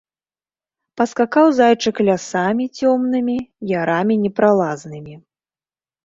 Паскакаў зайчык лясамі цёмнымі, ярамі непралазнымі.